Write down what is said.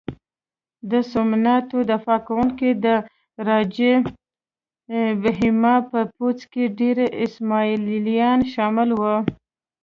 د سومنات دفاع کوونکي د راجه بهیما په پوځ کې ډېر اسماعیلیان شامل وو.